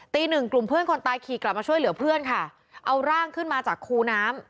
หนึ่งกลุ่มเพื่อนคนตายขี่กลับมาช่วยเหลือเพื่อนค่ะเอาร่างขึ้นมาจากคูน้ำ